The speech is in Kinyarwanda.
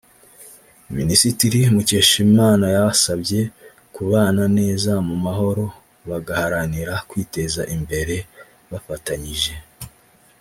Minisitiri Mukeshimana yabasabye kubana neza mu mahoro bagaharanira kwiteza imbere bafatanyije